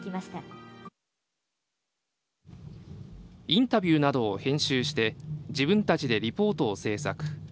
インタビューなどを編集して自分たちでリポートを制作。